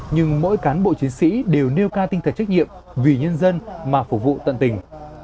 nhưng mỗi cán bộ chiến sĩ đều nêu cao tinh thần trách nhiệm vì nhân dân mà phục vụ tận tình